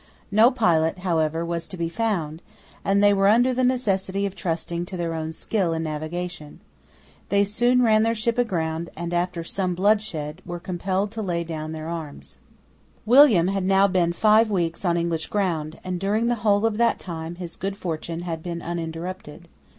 No pilot, however was to be found; and they were under the necessity of trusting to their own skill in navigation. They soon ran their ship aground, and, after some bloodshed, were compelled to lay down their arms. William had now been five weeks on English ground; and during the whole of that time his good fortune had been uninterrupted.